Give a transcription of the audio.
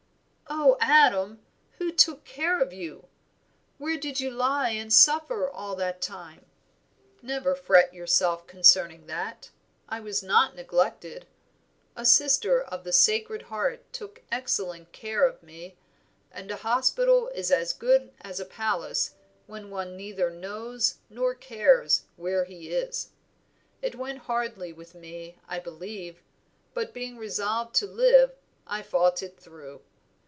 "Oh, Adam, who took care of you? Where did you lie and suffer all that time?" "Never fret yourself concerning that; I was not neglected. A sister of the 'Sacred Heart' took excellent care of me, and a hospital is as good as a palace when one neither knows nor cares where he is. It went hardly with me, I believe; but being resolved to live, I fought it through.